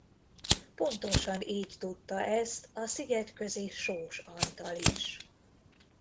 Pontosan így tudta ezt a szigetközi Sós Antal is.